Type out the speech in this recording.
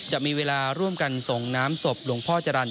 จะมีเวลาร่วมกันส่งน้ำศพหลวงพ่อจรรย